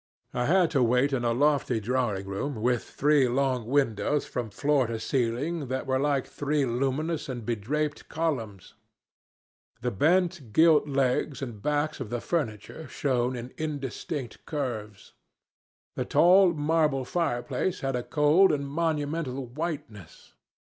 I had to wait in a lofty drawing room with three long windows from floor to ceiling that were like three luminous and bedraped columns. The bent gilt legs and backs of the furniture shone in indistinct curves. The tall marble fireplace had a cold and monumental whiteness.